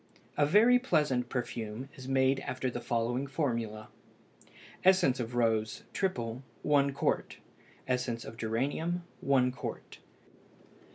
A very pleasant perfume is made after the following formula: Essence of rose (triple) 1 qt. Essence of geranium 1 qt.